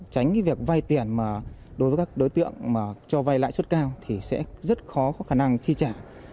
tránh việc vay tiền đối với các đối tượng cho vay lãi suất cao thì sẽ rất khó có khả năng chi trả